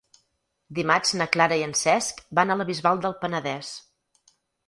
Dimarts na Clara i en Cesc van a la Bisbal del Penedès.